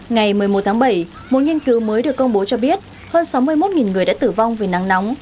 ngày một mươi một tháng bảy một nghiên cứu mới được công bố cho biết hơn sáu mươi một người đã tử vong vì nắng nóng